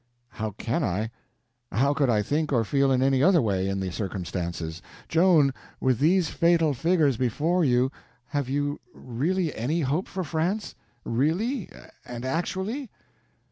"How can I? How could I think or feel in any other way, in the circumstances? Joan, with these fatal figures before, you, have you really any hope for France—really and actually?"